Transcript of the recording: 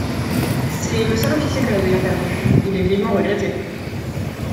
C'est le seul officier que nous ayons perdu : il est vivement regretté.